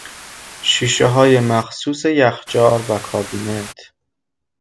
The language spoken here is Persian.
شیشه های مخصوص یخچال و کابینت